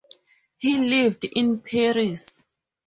He lived in Paris.